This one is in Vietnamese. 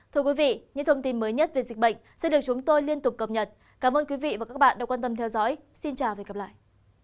thưa quý vị những thông tin mới nhất về dịch bệnh sẽ được chúng tôi liên tục cập nhật cảm ơn quý vị và các bạn đã quan tâm theo dõi xin chào và hẹn gặp lại